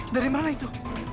dari mana itu